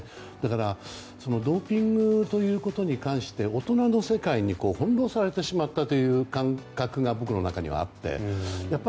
だから、ドーピングということに関して大人の世界に翻弄されてしまったという感覚が僕の中にはあって。